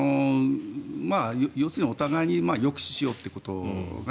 要するにお互いに抑止しようということが